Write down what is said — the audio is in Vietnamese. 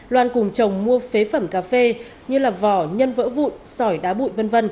loan cùng chồng mua phế phẩm cà phê như vỏ nhân vỡ vụn sỏi đá bụi v v